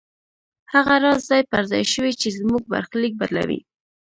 هغه راز ځای پر ځای شوی چې زموږ برخليک بدلوي.